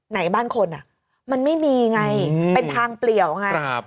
ไหนบ้านคนอ่ะมันไม่มีไงเป็นทางเปลี่ยวไง